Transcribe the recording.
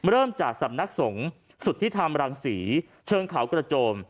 เริ่มจากสำนักสงฆ์สุทธิธรรมรังศรีเชิงเขากระโจม